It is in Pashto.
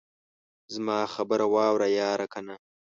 زما خبره واوره ياره کنه.